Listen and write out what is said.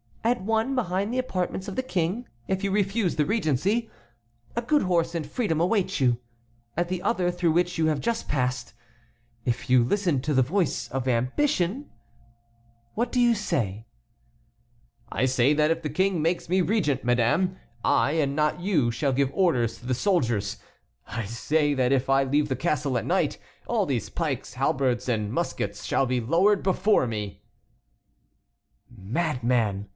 At one, behind the apartments of the King, if you refuse the regency, a good horse and freedom await you. At the other, through which you have just passed, if you listen to the voice of ambition—What do you say?" "I say that if the King makes me regent, madame, I, and not you, shall give orders to the soldiers. I say that if I leave the castle at night, all these pikes, halberds, and muskets shall be lowered before me." "Madman!"